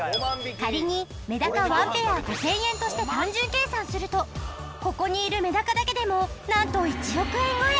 仮にメダカ１ペア５０００円として単純計算するとここにいるメダカだけでもなんと１億円超え